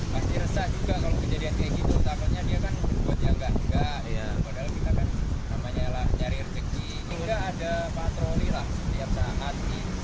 padahal kita kan nyari rezeki hingga ada patroli lah setiap saat